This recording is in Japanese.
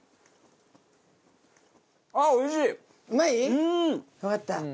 うまい？よかった。